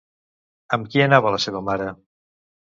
Amb qui anava la seva mare?